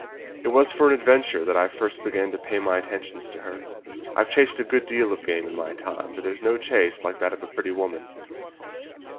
It was for an adventure that I first began to pay my attentions to her. I've chased a good deal of game in my time, but there's no chase like that of a pretty woman.